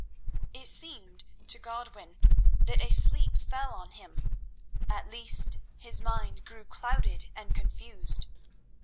It seemed to Godwin that a sleep fell on him—at least, his mind grew clouded and confused.